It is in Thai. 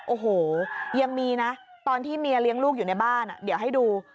โอ้โหยังมีนะตอนที่เมียเลี้ยงลูกอยู่ในบ้านเดี๋ยวให้ดู